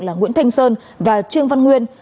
là nguyễn thanh sơn và trương văn nguyên